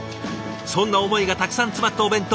そんな思いがたくさん詰まったお弁当。